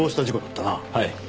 はい。